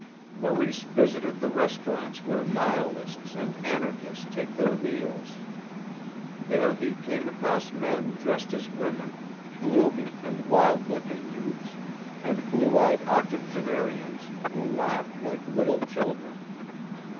Maurice visited the restaurants where nihilists and anarchists take their meals. There he came across men dressed as women, gloomy and wild looking youths, and blue eyed octogenarians who laughed like little children.